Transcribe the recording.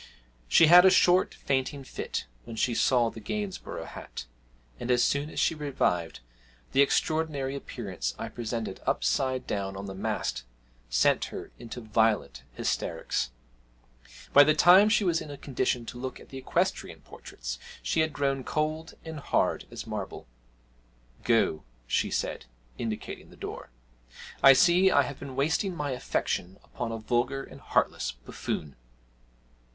She had a short fainting fit when she saw the Gainsborough hat, and as soon as she revived, the extraordinary appearance I presented upside down on the mast sent her into violent hysterics. By the time she was in a condition to look at the equestrian portraits she had grown cold and hard as marble. 'Go,' she said, indicating the door, 'I see I have been wasting my affection upon a vulgar and heartless buffoon!'